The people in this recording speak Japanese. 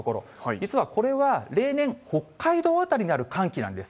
実はこれは、例年北海道辺りにある寒気なんです。